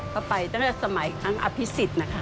เข้าไปตั้งแต่สมัยอัพฤษิตนะครับ